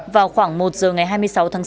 vào khoảng một giờ ngày hai tháng